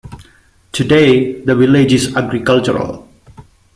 Today, the village is agricultural.